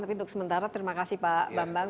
tapi untuk sementara terima kasih pak bambang